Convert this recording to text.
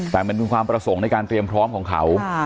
แต่มันเป็นความประสงค์ในการเตรียมพร้อมของเขา